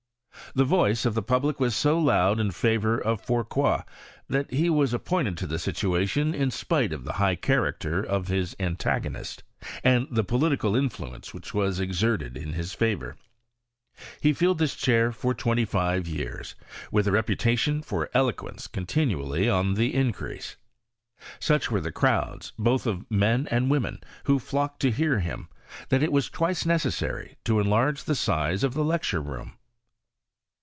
The voice of the public was so loud in favour of Fourcroy, that he was ap pointed to the situation in spite of the high charac ter of his antagonist and the political influence which was exerted in his favour. He filled this chair for twenty five years, with a reputation for eloquence continually on the increase. Such were the crowds, both of men and women, who flocked to hear him, that it was twice necessary to enlarge the size of the lecture room.